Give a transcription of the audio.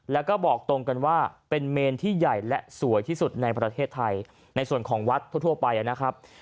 แล้วก็บอกตรงกันว่าเป็นเมนที่ใหญ่และสวยที่สุดในประเทศไทยในส่วนของวัดทั่วไปนะครับ